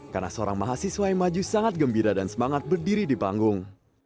karena seorang mahasiswa yang maju sangat gembira dan semangat berdiri di panggung